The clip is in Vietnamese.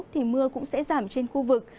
thì mưa cũng sẽ giảm trên khu vực